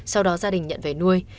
sau đó gia đình nhận về nuôi